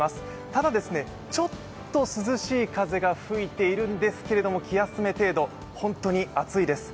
ただ、ちょっと涼しい風が吹いているんですけれども気休め程度、本当に暑いです。